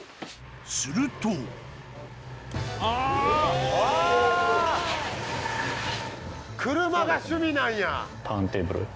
すると車が趣味なんや！